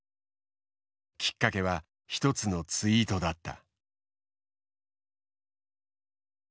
きっかけは１つのツイートだった。